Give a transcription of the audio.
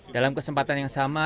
dalam kesempatan yang sama